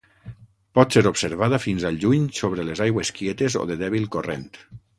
Pot ser observada fins al juny sobre les aigües quietes o de dèbil corrent.